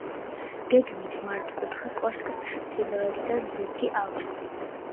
გეგმით მართკუთხა კოშკს ჩრდილოეთიდან ზურგი აქვს.